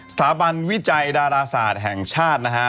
สถาบันวิจัยดาราศาสตร์แห่งชาตินะฮะ